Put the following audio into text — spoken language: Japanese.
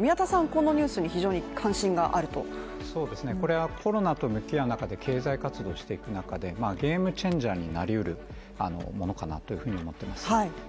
このニュースに非常に関心があるとこれはコロナと向き合う中で経済活動していく中でゲームチェンジャーになりうるものかなというふうに思ってます